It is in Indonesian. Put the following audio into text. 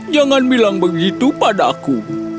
jangan bilang begitu padaku